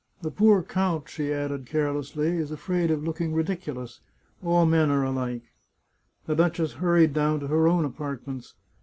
" The poor count," she added carelessly, " is afraid of looking ridiculous — all men are alike." The duchess hurried down to her own apartments.